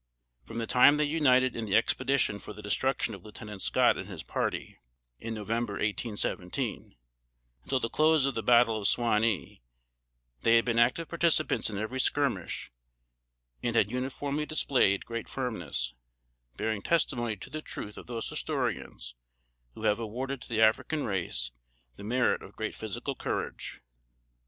From the time they united in the expedition for the destruction of Lieutenant Scott and his party, in November, 1817, until the close of the battle of Suwanee, they had been active participants in every skirmish, and had uniformly displayed great firmness; bearing testimony to the truth of those historians who have awarded to the African race the merit of great physical courage.